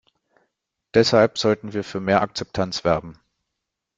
Deshalb sollten wir für mehr Akzeptanz werben.